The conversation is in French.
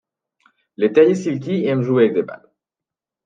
Les Terriers Silky aiment jouer avec des balles.